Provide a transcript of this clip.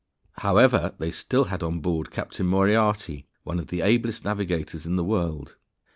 However, they still had on board Captain Moriarty, one of the ablest navigators in the world.